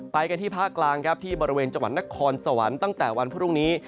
ไปกันที่ภาคกลางครับที่บริเวณจังหวัดนครสวรรค์ตั้งแต่วันพรุ่งนี้